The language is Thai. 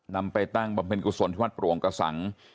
นำไปตั้งประปริศนละตรวงกะสัง